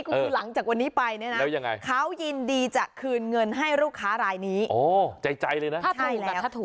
ก็คือหลังจากวันนี้ไปเนี่ยนะเขายินดีจะคืนเงินให้ลูกค้ารายนี้ใจเลยนะถ้าถูกแล้วถ้าถูก